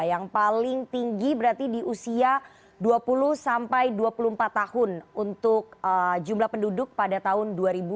yang paling tinggi berarti di usia dua puluh sampai dua puluh empat tahun untuk jumlah penduduk pada tahun dua ribu dua puluh